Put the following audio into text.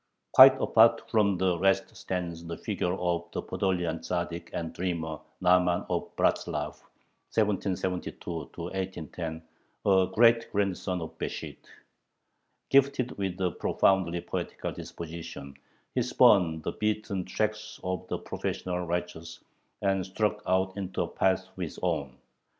Quite apart from the rest stands the figure of the Podolian Tzaddik and dreamer Nahman of Bratzlav (1772 1810), a great grandson of Besht. Gifted with a profoundly poetical disposition, he spurned the beaten tracks of the professional "Righteous," and struck out into a path of his own.